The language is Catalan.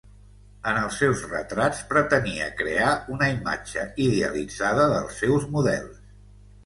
En els seus retrats pretenia crear una imatge idealitzada dels seus models.